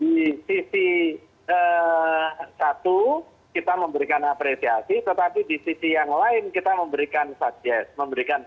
di sisi satu kita memberikan apresiasi tetapi di sisi yang lain kita memberikan subjes